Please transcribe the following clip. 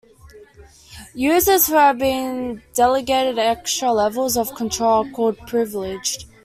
Users who have been delegated extra levels of control are called privileged.